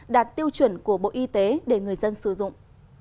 đạt tiêu chuẩn của bộ y tế để người dân sử dụng